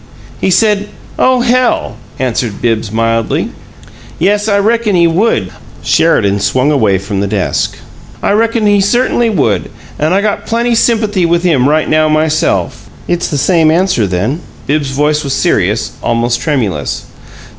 "He said, 'Oh, hell!'" answered Bibbs, mildly. "Yes, I reckon he would!" Sheridan swung away from the desk. "I reckon he certainly would! And I got plenty sympathy with him right now, myself!" "It's the same answer, then?" Bibbs's voice was serious, almost tremulous.